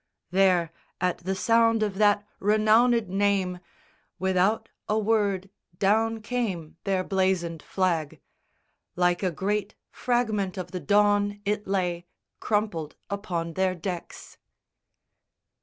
There, at the sound of that renownèd name, Without a word down came their blazoned flag. Like a great fragment of the dawn it lay Crumpled upon their decks..